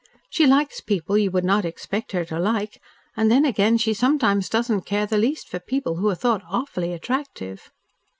She likes people you would not expect her to like, and then again she sometimes doesn't care the least for people who are thought awfully attractive."